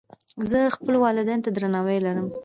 زه خپلو والدینو ته درناوی لرم.